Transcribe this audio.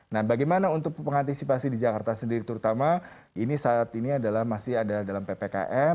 nah bagaimana untuk pengantisipasi di jakarta sendiri terutama saat ini masih ada dalam ppkm